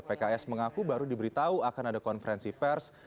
pks mengaku baru diberitahu akan ada konferensi pers